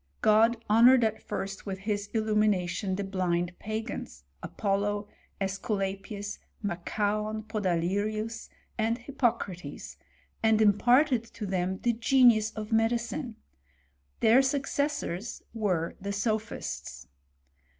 '''* God honoured at first with his illumination the blind pagans, Apollo, ^sculapius, Machaon, Podalirius, and Hippo cnrates, and imparted to them the genius of medicine ; their successors were the sophists."